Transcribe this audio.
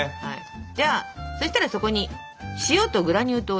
じゃあそしたらそこに塩とグラニュー糖を入れてください。